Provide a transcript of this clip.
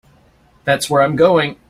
That's where I'm going.